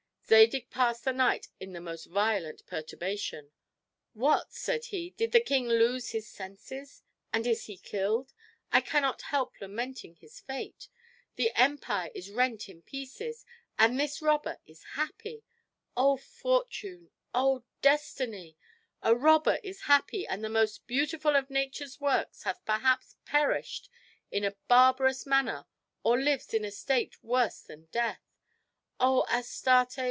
Zadig passed the night in the most violent perturbation. "What," said he, "did the king lose his senses? and is he killed? I cannot help lamenting his fate. The empire is rent in pieces; and this robber is happy. O fortune! O destiny! A robber is happy, and the most beautiful of nature's works hath perhaps perished in a barbarous manner or lives in a state worse than death. O Astarte!